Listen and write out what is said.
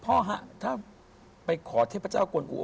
พ่อฮะถ้าไปขอเทพเจ้ากวนอู